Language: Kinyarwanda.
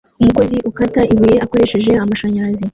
Umukozi ukata ibuye akoresheje amashanyarazi